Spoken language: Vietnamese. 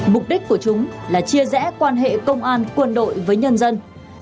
mục đích của chúng là chia rẽ quan hệ công an quân đội với nhân dân